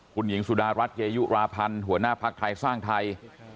คุณหญิงสุดารัฐเกยุราพันธ์หัวหน้าภักดิ์ไทยสร้างไทย